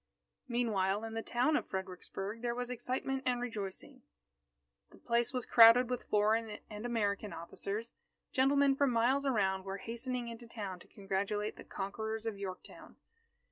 Meanwhile, in the town of Fredericksburg there was excitement and rejoicing. The place was crowded with foreign and American officers. Gentlemen from miles around were hastening into town to congratulate the conquerors of Yorktown.